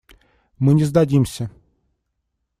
Мы не сдадимся.